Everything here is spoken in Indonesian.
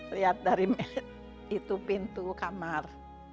lihat dari itu pintu kamar